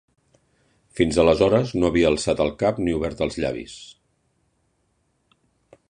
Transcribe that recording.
Fins aleshores no havia alçat el cap ni obert els llavis.